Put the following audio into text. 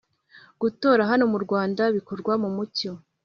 gutora hano murwanda bikorwa mumucyo